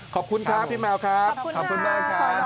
ขอบคุณครับพี่แมวครับขอบคุณค่ะขอบคุณค่ะขอบคุณค่ะขอบคุณค่ะสวัสดีครับ